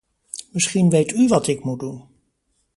Misschien weet u wat ik moet doen.